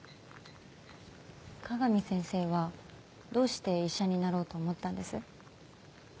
香美先生はどうして医者になろうと思ったんです？